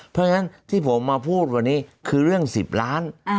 เพราะฉะนั้นที่ผมมาพูดวันนี้คือเรื่อง๑๐ล้าน